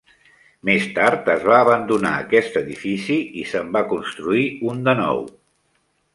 Més tard es va abandonar aquest edifici i se'n va construir un de nou.